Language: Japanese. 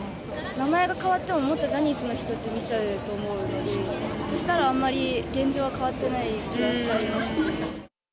名前が変わっても、元ジャニーズの人って見ちゃうと思うんで、そしたらあんまり現状は変わってない気がしちゃいますね。